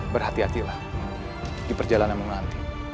berhati hatilah di perjalanan mengantin